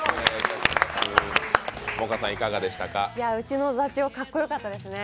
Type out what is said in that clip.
うちの座長かっこよかったですね。